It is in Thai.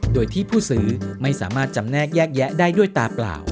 โดยที่ผู้ซื้อไม่สามารถจำแนกแยกแยะได้ด้วยตาเปล่า